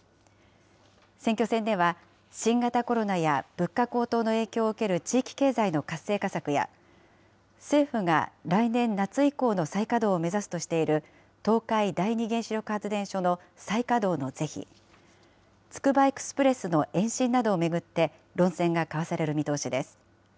選挙戦では、新型コロナや物価高騰の影響を受ける地域経済の活性化策や、政府が来年夏以降の再稼働を目指すとしている東海第二原子力発電所の再稼働の是非、つくばエクスプレスの延伸などを巡って、論戦が交わされる見通しです。